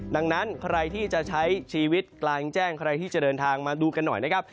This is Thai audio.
ดังนั้นใครที่จะใช้ชีวิตกลางแจ้งใครที่จะเดินทางมาดูกันหน่อยนะครับ